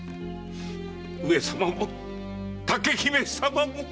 上様も竹姫様も。